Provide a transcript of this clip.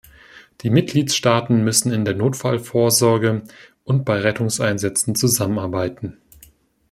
Die Mitgliedstaaten müssen in der Notfallvorsorge und bei Rettungseinsätzen zusammenarbeiten.